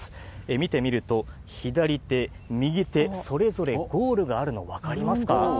見てみると、左手、右手、それぞれゴールがあるの分かりますか？